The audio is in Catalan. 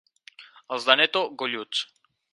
Els d'Aneto, golluts.